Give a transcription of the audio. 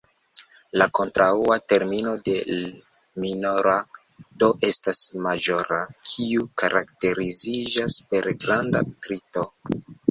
La kontraŭa termino de "minora" do estas "maĵora", kiu karakteriziĝas per granda trito.